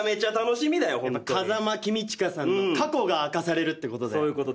風間公親さんの過去が明かされるってことで。